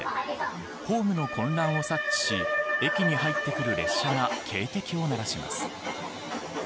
ホームの混乱を察知し駅に入ってくる列車が警笛を鳴らします。